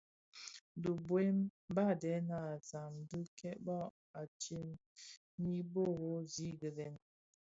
Dhibuem, badèna a zam dhi kèba a tyèn nyi dhorozi gilèn.